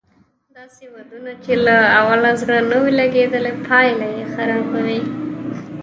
داسې ودونه چې له اوله زړه نه وي لګېدلی پايله یې خرابه وي